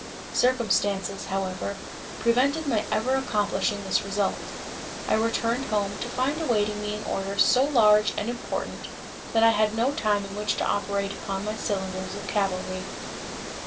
Circumstances, however, prevented my ever accomplishing this result. I returned home, to find awaiting me an order so large and important that I had no time in which to operate upon my cylinders of cavalry.